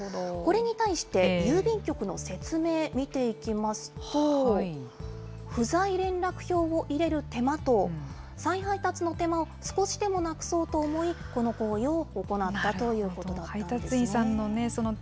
これに対して、郵便局の説明、見ていきますと、不在連絡票を入れる手間と、再配達の手間を少しでもなくそうと思い、この行為を行ったということだったんです。